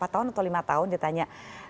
empat tahun atau lima tahun dia tanya